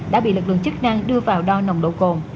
đã bị lực lượng chức năng đưa vào đo nồng độ cồn